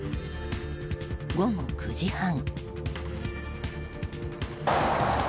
午後９時半。